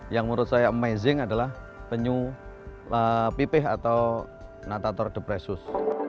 yang menurut saya amazing adalah penyu pipih atau natator depressus